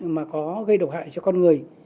mà có gây độc hại cho con người